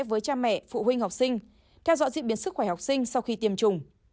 với cha mẹ phụ huynh học sinh theo dõi diễn biến sức khỏe học sinh sau khi tiêm chủng